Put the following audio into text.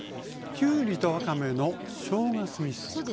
きゅうりとわかめのしょうが酢みそ。